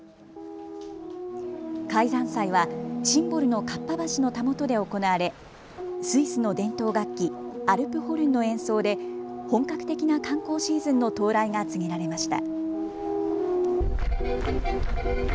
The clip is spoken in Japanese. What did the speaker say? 開山祭はシンボルの河童橋のたもとで行われスイスの伝統楽器、アルプホルンの演奏で本格的な観光シーズンの到来が告げられました。